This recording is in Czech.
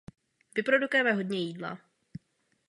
Vyprodukujeme hodně jídla.